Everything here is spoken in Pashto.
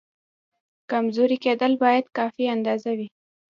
کمزوری کېدل باید کافي اندازه وي.